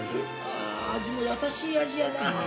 味も優しい味やな。